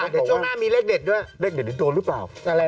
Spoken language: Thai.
เดี๋ยวช่วงหน้ามีเลขเด็ดด้วยเลขเด็ดเดี๋ยวโดนหรือเปล่า